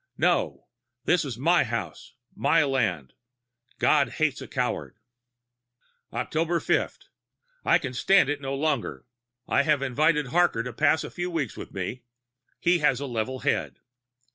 No, this is my house, my land. God hates a coward.... "Oct. 5. I can stand it no longer; I have invited Harker to pass a few weeks with me he has a level head.